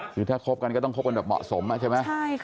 คือถ้าคบกันก็ไม่ต้องเข้าไปกันเหมาะสมใช่มั้ย